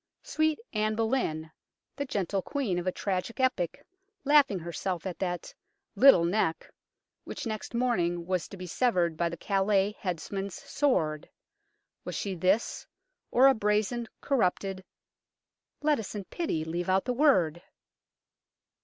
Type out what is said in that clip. " Sweet Anne Boleyn," the gentle Queen of a tragic epoch, laughing herself at that " lyttel neck " which next morning was to be severed by the Calais headsman's sword, was she this, or a brazen, corrupted let us in pity leave out the word